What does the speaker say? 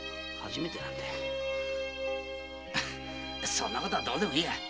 そんな事はどうでもいいや。